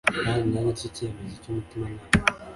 kandi nanjye nicyo cyemezo cy umutimanama